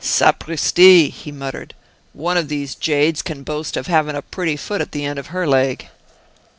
"Sapristi!" he muttered; "one of these jades can boast of having a pretty foot at the end of her leg!"